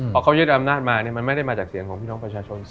พอเขายึดอำนาจมามันไม่ได้มาจากเสียงของพี่น้องประชาชน